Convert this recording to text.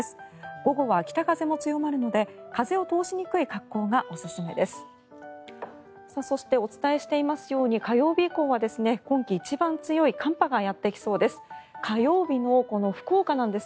午後は北風も強まるので風を通しにくい格好がおすすめです。